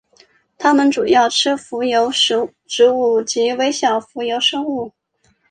它们主要吃浮游植物及微小浮游生物。